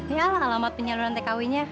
ya alamat penyaluran tkw nya